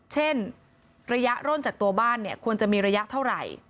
เช่นระยะร่นจากตัวบ้านเนี่ยควรจะมีระยะเท่าไหร่